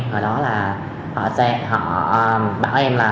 họ sẽ họ bảo em là